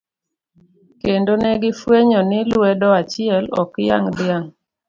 Kendo negi fwenyo ni lwedo achiel, ok yang' dhiang'.